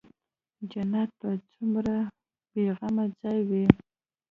جنت به څومره بې غمه ځاى وي.